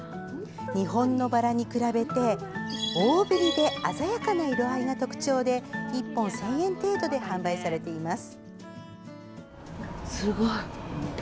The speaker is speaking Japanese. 日本のバラに比べて大ぶりで鮮やかな色合いが特徴で１本１０００円程度で販売されています。